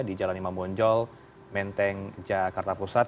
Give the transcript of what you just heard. di jalan imam bonjol menteng jakarta pusat